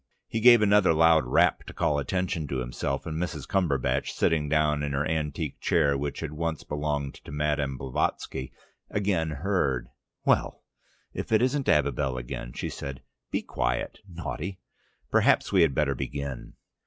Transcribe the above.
He gave another loud rap to call attention to himself, and Mrs. Cumberbatch, sitting down in her antique chair which had once belonged to Madame Blavatsky, again heard. "Well, if that isn't Abibel again," she said. "Be quiet, naughty. Perhaps we had better begin."